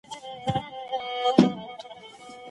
استبداد د صفوي واکمنانو په وینه کې ګډ و.